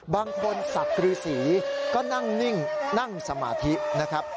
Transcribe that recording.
บางคนศักดิ์ฤษีก็นั่งนิ่งนั่งสมาธินะครับ